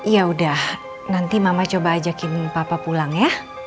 yaudah nanti mama coba ajakin papa pulang ya